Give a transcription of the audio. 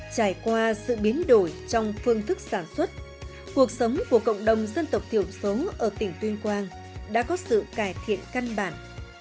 trải qua sự biến đổi trong phương thức sản xuất cuộc sống của cộng đồng dân tộc thiểu số ở tỉnh tuyên quang đã có sự cải thiện căn bản